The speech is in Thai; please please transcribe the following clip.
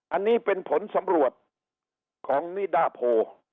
อันนี้เป็นผลสำรวจของนิดาโพ